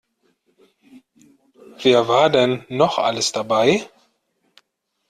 Wer war denn noch alles dabei?